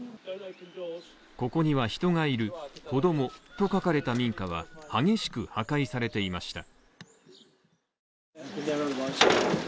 「ここには人がいる、子供」と書かれた民家は、激しく破壊されていました。